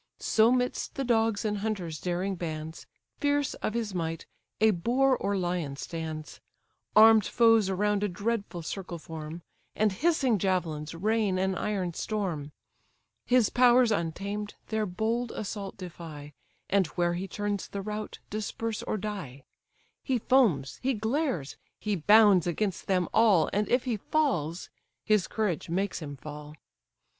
So 'midst the dogs and hunters' daring bands, Fierce of his might, a boar or lion stands; Arm'd foes around a dreadful circle form, And hissing javelins rain an iron storm: His powers untamed, their bold assault defy, And where he turns the rout disperse or die: He foams, he glares, he bounds against them all, And if he falls, his courage makes him fall.